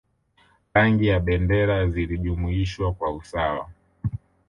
Rangi za bendera zilijumuishwa kwa usawa